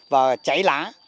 và cháy lá